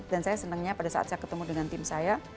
dan saya senangnya pada saat saya ketemu dengan tim saya